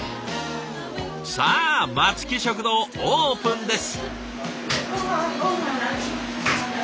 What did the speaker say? さあ松木食堂オープンです！